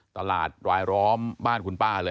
ตลาดร้อยล้อมบ้านคุณป้าเลย